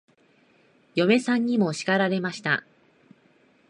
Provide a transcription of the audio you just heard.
嫁さんにも叱られました。